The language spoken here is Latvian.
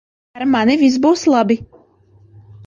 Ar mani viss būs labi.